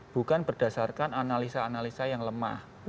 bukan berdasarkan analisa analisa yang lemah